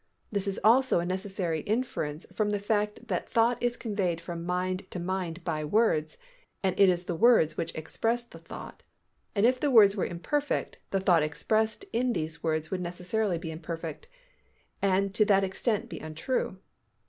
This is also a necessary inference from the fact that thought is conveyed from mind to mind by words and it is the words which express the thought, and if the words were imperfect, the thought expressed in these words would necessarily be imperfect and to that extent be untrue.